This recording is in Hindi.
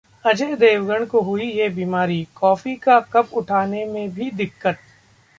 अजय देवगन को हुई ये बीमारी, कॉफी का कप उठाने में भी दिक्कत!